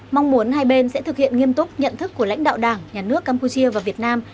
mong muốn hai bên sẽ thực hiện nghiêm túc nhận thức của lãnh đạo đảng nhà nước campuchia và việt nam